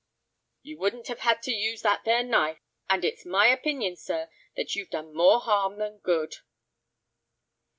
"You wouldn't have had to use that there knife. And it's my opinion, sir, that you've done more harm than good."